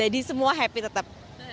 jadi semua happy tetap